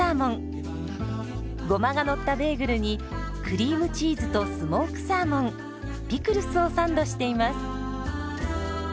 ゴマがのったベーグルにクリームチーズとスモークサーモンピクルスをサンドしています。